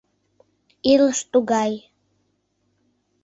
Илыш тугай.